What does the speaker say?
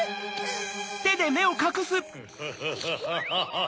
・ハハハハ！